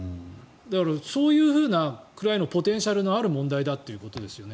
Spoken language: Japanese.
そういうくらいのポテンシャルのある問題だということですよね。